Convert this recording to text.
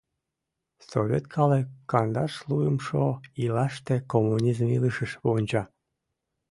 Совет калык кандашлуымшо ийлаште коммунизм илышыш вонча.